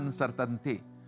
ini disebut dengan uncertainty